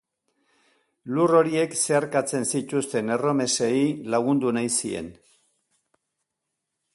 Lur horiek zeharkatzen zituzten erromesei lagundu nahi zien.